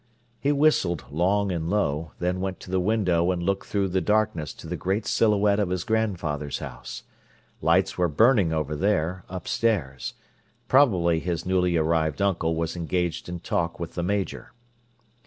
He whistled, long and low, then went to the window and looked through the darkness to the great silhouette of his grandfather's house. Lights were burning over there, upstairs; probably his newly arrived uncle was engaged in talk with the Major.